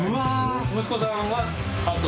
息子さんは跡。